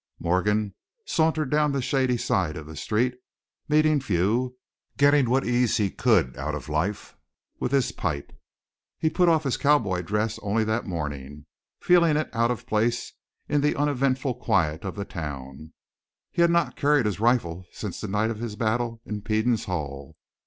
Morgan sauntered down the shady side of the street, meeting few, getting what ease he could out of life with his pipe. He had put off his cowboy dress only that morning, feeling it out of place in the uneventful quiet of the town. He had not carried his rifle since the night of his battle in Peden's hall.